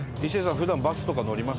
普段バスとか乗ります？